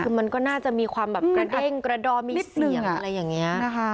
คือมันก็น่าจะมีความแบบกระเด้งกระดองมีเสี่ยงอะไรอย่างนี้นะคะ